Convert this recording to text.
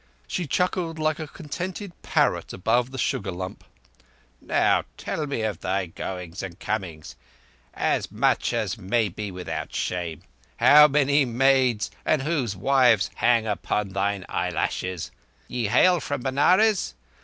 She chuckled like a contented parrot above the sugar lump. "Now tell me of thy goings and comings—as much as may be without shame. How many maids, and whose wives, hang upon thine eyelashes? Ye hail from Benares?